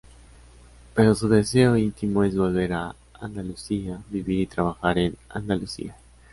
Pero su deseo íntimo es volver a Andalucía, vivir y trabajar en Andalucía.